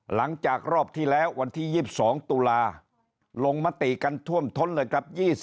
หลังจากรอบที่แล้ววันที่๒๒ตุลาลงมติกันท่วมท้นเลยครับ